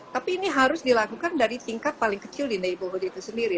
tapi ini harus dilakukan dari tingkat paling kecil di naiboat itu sendiri